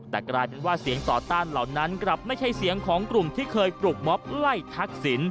แต่กลายเป็นว่าเสียงต่อต้านเหล่านั้นกลับไม่ใช่เสียงของกลุ่มที่เคยปลุกม็อบไล่ทักษิณ